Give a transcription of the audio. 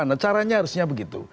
nah caranya harusnya begitu